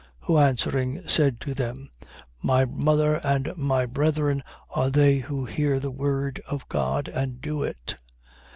8:21. Who answering, said to them: My mother and my brethren are they who hear the word of God and do it.